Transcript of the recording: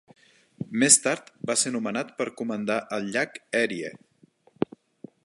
Més tard va ser nomenat per comandar al llac Erie.